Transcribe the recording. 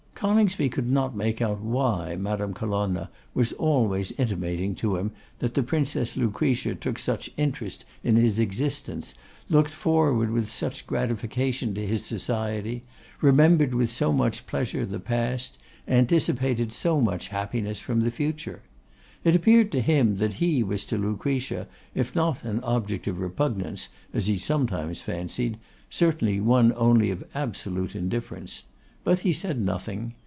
Coningsby could not make out why Madame Colonna was always intimating to him that the Princess Lucretia took such great interest in his existence, looked forward with such gratification to his society, remembered with so much pleasure the past, anticipated so much happiness from the future. It appeared to him that he was to Lucretia, if not an object of repugnance, as he sometimes fancied, certainly one only of absolute indifference; but he said nothing.